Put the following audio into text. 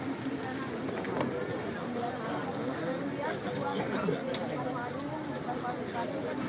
itu kan pertahanan dari sekolah